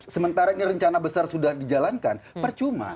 sementara ini rencana besar sudah dijalankan percuma